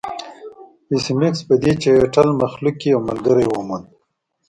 ایس میکس په دې چټل مخلوق کې یو ملګری وموند